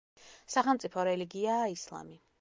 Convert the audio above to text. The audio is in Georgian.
სახელმწიფო რელიგიაა ისლამი.